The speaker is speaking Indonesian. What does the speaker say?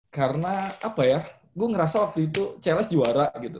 karena apa ya gue ngerasa waktu itu cls juara gitu